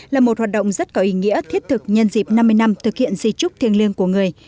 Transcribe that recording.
là một hoạt động rất có ý nghĩa thiết thực nhân dịp năm mươi năm thực hiện di trúc thiêng liêng của người